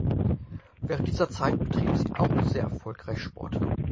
Während dieser Zeit betrieb sie auch sehr erfolgreich Sport.